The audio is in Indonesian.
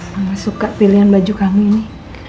mama suka pilihan baju kamu ini